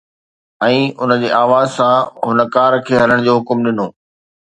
۽ ان جي آواز سان، هن ڪار کي هلڻ جو حڪم ڏنو.